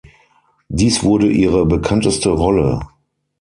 Dies wurde ihre bekannteste Rolle.